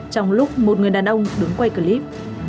trong lúc một người đàn ông đứng quay clip